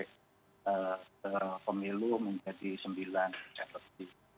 ke pemilu menjadi